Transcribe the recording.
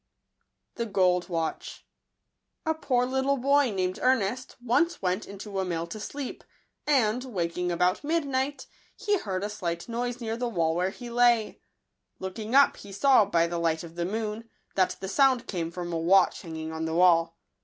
®fne Sd& SRSatci). POOR little boy, named Ernest, once went into a mill to sleep ; and, waking about midnight, he heard a slight noise near the wall where he lay. Looking up, he saw, by the light of the moon, that the sound came from a watch hanging on the wall.